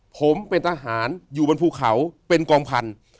ผมเป็นทหารอยู่บนภูเขาเป็นกองพันธุ์